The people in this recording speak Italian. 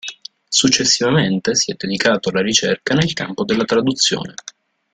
Successivamente si è dedicato alla ricerca nel campo della traduzione.